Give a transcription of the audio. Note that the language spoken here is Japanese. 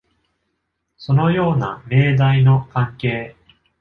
そのような命題の関係。